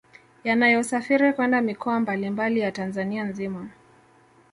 Yanayosafiri kwenda mikoa mbali mbali ya Tanzania nzima